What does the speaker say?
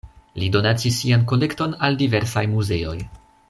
Li donacis sian kolekton al diversaj muzeoj.